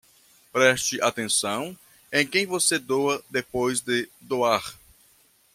Preste atenção em quem você doa depois de doar